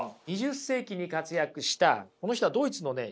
２０世紀に活躍したこの人はドイツのね